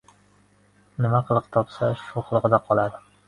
Nima qiliq topsa, shu qilig‘ida qoladi.